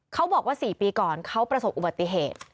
เขาบอกว่า๔ปีก่อนเขาประสบอุบัติเหตุ